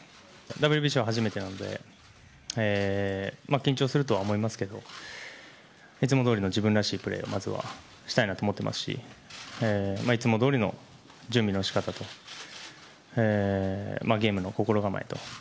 ＷＢＣは初めてなので緊張するとは思いますけどいつもどおりの自分らしいプレーをまずはしたいなと思ってますしいつもどおりの準備の仕方とゲームの心構えと。